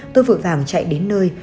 tôi vừa vàng chạy đến nơi